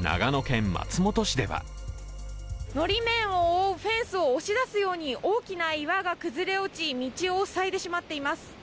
長野県松本市ではのり面を覆うフェンスを押し出すように大きな岩が崩れ落ち、道を塞いでしまっています。